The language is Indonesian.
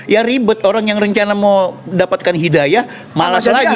ya ribet orang yang rencana mau dapatkan hidayah malas lagi